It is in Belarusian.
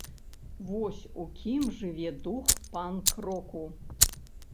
Вось у кім жыве дух панк-року!